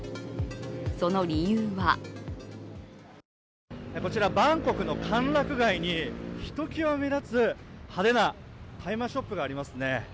その理由はこちらバンコクの歓楽街にひときわ目立つ派手な大麻ショップがありますね。